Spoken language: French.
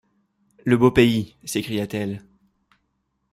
Le beau pays! s’écria-t-elle.